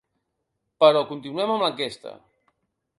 Però continuem amb l’enquesta.